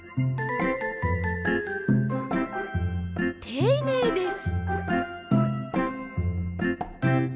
ていねいです！